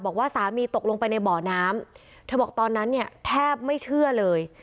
บอกว่าสามีตกลงไปในบ่อน้ำเธอบอกตอนนั้นเนี่ยแทบไม่เชื่อเลย